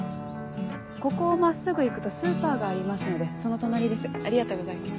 ここを真っすぐ行くとスーパーがありますのでその隣です。